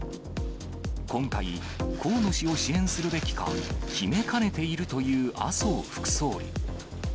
今回、河野氏を支援するべきか、決めかねているという麻生副総理。